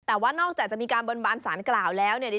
แต่ว่านอกจากจะมีการบนบานสารกล่าวแล้วเนี่ย